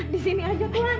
disini aja tuhan